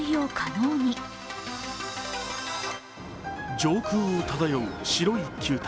上空を漂う白い球体。